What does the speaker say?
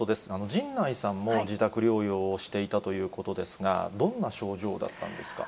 陣内さんも自宅療養をしていたということですが、どんな症状だったんですか。